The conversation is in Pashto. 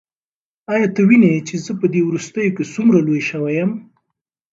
ایا ته وینې چې زه په دې وروستیو کې څومره لوی شوی یم؟